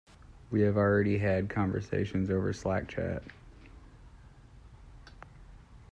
We have already had conversations over Slack chat.